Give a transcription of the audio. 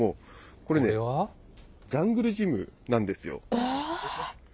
これね、ジャングルジムなんですよ。